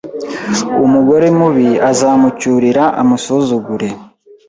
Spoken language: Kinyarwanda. umugore mubi azamucyurira, amusuzugure